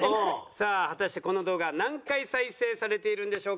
さあ果たしてこの動画何回再生されているんでしょうか。